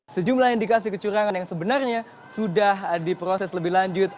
sejumlah indikasi kecurangan yang sebenarnya sudah diproses lebih lanjut